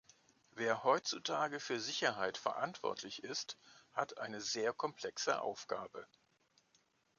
Wer heutzutage für Sicherheit verantwortlich ist, hat eine sehr komplexe Aufgabe.